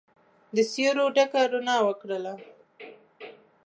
د سیورو ډکه روڼا وکرله